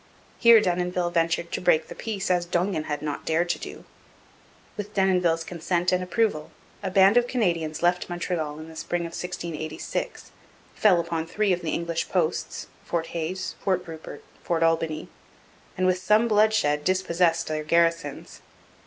Here Denonville ventured to break the peace as Dongan had not dared to do. With Denonville's consent and approval, a band of Canadians left Montreal in the spring of 1686, fell upon three of the English posts Fort Hayes, Fort Rupert, Fort Albany and with some bloodshed dispossessed their garrisons.